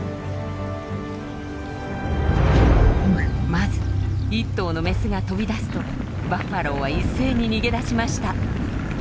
まず１頭のメスが飛び出すとバッファローは一斉に逃げ出しました。